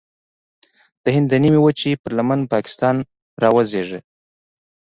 د هند د نیمې وچې پر لمن پاکستان راوزېږید.